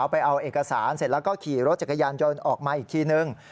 ไปเอาเอกสารเสร็จแล้วก็ขี่รถจักรยานยนต์ออกมาอีกทีนึง